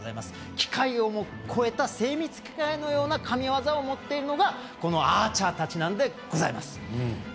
機械をも超えた精密機械のような神ワザを持っているのがアーチャーたちでございます。